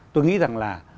tôi nghĩ rằng là